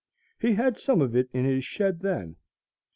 He had some of it in his shed then.